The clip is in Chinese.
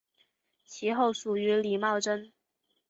其后属于李茂贞。